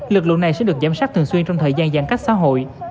lực lượng này sẽ được giám sát thường xuyên trong thời gian giãn cách xã hội